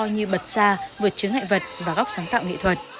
như bật xa vượt chứng hại vật và góc sáng tạo nghệ thuật